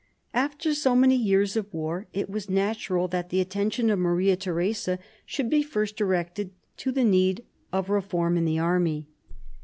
After so many years of war, it was natural that the attention of Maria Theresa should be first directed to \ 68 MARIA THERESA ohap. iv the need of reform jn. .thfl army.